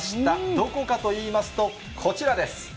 どこかといいますと、こちらです。